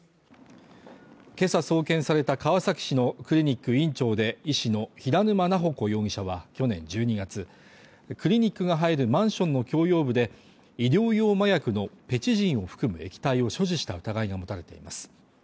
けさ送検された川崎市のクリニック院長で医師の平沼菜穂子容疑者は去年１２月クリニックが入るマンションの共用部で医療用麻薬のペチジンを含む液体を所持した疑いが持たれています。